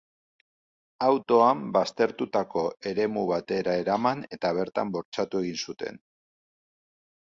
Autoan baztertutako eremu batera eraman eta bertan bortxatu egin zuten.